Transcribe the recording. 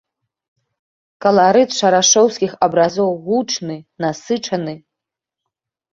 Каларыт шарашоўскіх абразоў гучны, насычаны.